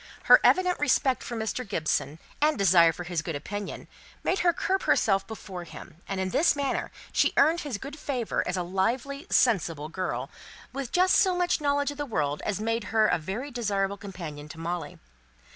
Her evident respect for him, and desire to win his good opinion, made her curb herself before him; and in this manner she earned his favour as a lively, sensible girl, with just so much knowledge of the world as made her a very desirable companion to Molly.